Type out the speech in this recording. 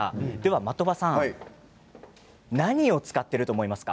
的場さん何を使っていると思いますか？